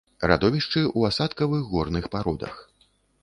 Радовішчы ў асадкавых горных пародах.